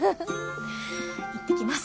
行ってきます。